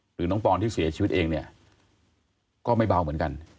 หรือน้องปอนที่เสียชีวิตเองเนี่ยก็ไม่เบาเหมือนกัน